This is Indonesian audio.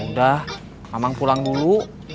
udah mamang pulang dulu